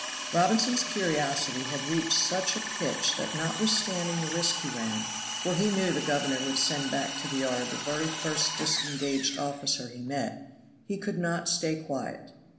Robinson's curiosity had reached such a pitch that notwithstanding the risk he ran for he knew the governor would send back to the yard the very first disengaged officer he met he could not stay quiet.